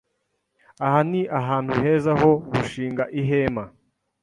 Aha ni ahantu heza ho gushinga ihema.